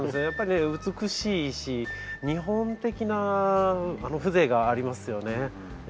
やっぱりね美しいし日本的な風情がありますよね。